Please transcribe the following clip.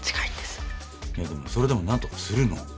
でもそれでも何とかするの。